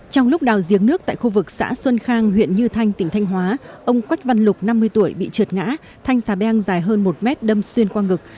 trong lúc đào giếng nước tại khu vực xã xuân khang huyện như thanh tỉnh thanh hóa ông quách văn lục năm mươi tuổi bị trượt ngã thanh xà beng dài hơn một mét đâm xuyên qua ngực